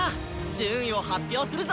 順位を発表するぞ！